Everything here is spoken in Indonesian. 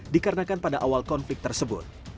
dikarenakan pada awal konflik tersebut